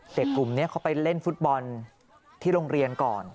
กลุ่มนี้เขาไปเล่นฟุตบอลที่โรงเรียนก่อน